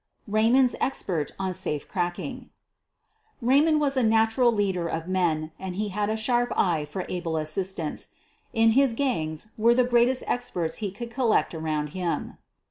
Raymond's expeet on safe cracking Raymond was a natural leader of men, and he had a sharp eye for able assistants. In his gang* <SUEEN OF THE BURGLARS 57 were the greatest experts he could collect around him.